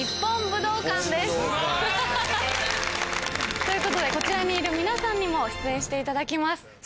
すごい！ということでこちらにいる皆さんにも出演していただきます。